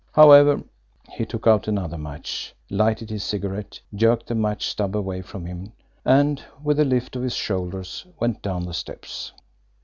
"However " He took out another match, lighted his cigarette, jerked the match stub away from him, and, with a lift of his shoulders, went down the steps.